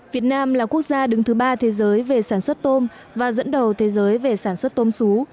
việt nam là quốc gia đứng thứ ba thế giới về sản xuất tôm và dẫn đầu thế giới về sản xuất tôm xú